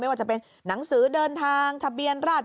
ว่าจะเป็นหนังสือเดินทางทะเบียนราช